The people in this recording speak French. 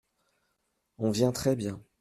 On vient très bien !